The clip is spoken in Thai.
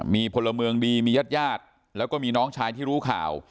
มีพลเมืองดีมีญาติญาติแล้วก็มีน้องชายที่รู้ข่าว